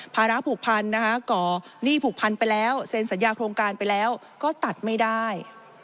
ภาระผูกพันนะคะก่อหนี้ผูกพันไปแล้วเซ็นสัญญาโครงการไปแล้วก็ตัดไม่ได้